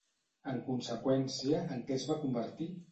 En conseqüència, en què es va convertir?